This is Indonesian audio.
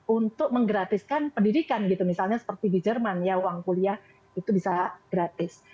untuk menggratiskan pendidikan gitu misalnya seperti di jerman ya uang kuliah itu bisa gratis